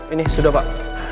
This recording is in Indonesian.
ini sudah pak